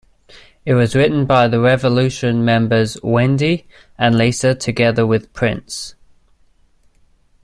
It was written by The Revolution members Wendy and Lisa together with Prince.